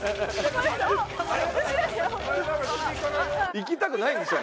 行きたくないんでしょ？